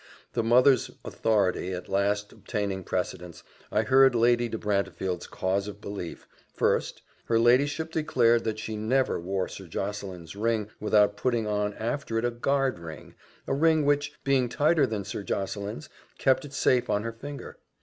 The mother's authority at last obtaining precedency, I heard Lady de Brantefield's cause of belief, first: her ladyship declared that she never wore Sir Josseline's ring without putting on after it a guard ring, a ring which, being tighter than Sir Josseline's, kept it safe on her finger.